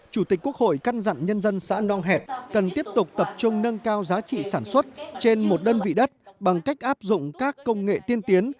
chủ tịch quốc hội căn dặn nhân dân xã nong hẹt cần tiếp tục tập trung nâng cao giá trị sản xuất trên một đơn vị đất bằng cách áp dụng các công nghệ tiên tiến